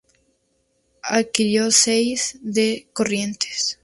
Arquidiócesis de Corrientes